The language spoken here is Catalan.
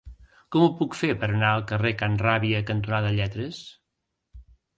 Com ho puc fer per anar al carrer Can Ràbia cantonada Lletres?